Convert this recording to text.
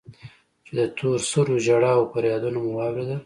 چې د تور سرو ژړا و فريادونه مو واورېدل.